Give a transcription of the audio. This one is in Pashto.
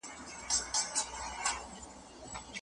که په قرآن کريم کي داسي توري وای.